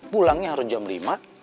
pulangnya harus jam lima